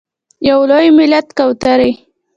یو لوی ملت کوترې…